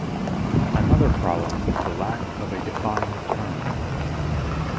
Another problem is the lack of a defined term.